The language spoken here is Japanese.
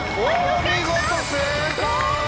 お見事正解！